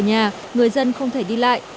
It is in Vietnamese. người dân không thể đi lại